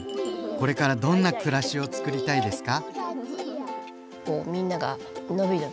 これからどんな暮らしをつくりたいですか？